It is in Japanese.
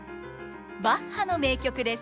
バッハの名曲です。